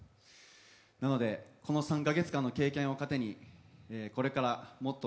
なので、この３か月間の経験を糧にこれからＡぇ！